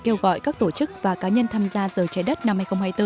kêu gọi các tổ chức và cá nhân tham gia giờ trái đất năm hai nghìn hai mươi bốn